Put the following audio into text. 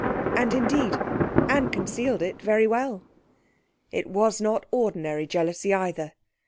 And, indeed, Anne concealed it very well. It was not ordinary jealousy either.